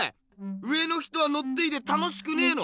上の人はのっていて楽しくねえの？